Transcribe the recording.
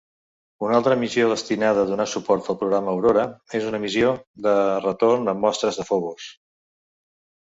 Una altra missió destinada a donar suport al programa Aurora és una missió de retorn amb mostres de Phobos.